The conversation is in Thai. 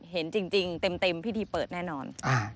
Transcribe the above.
เห็นจริงเต็มพิธีเปิดแน่นอน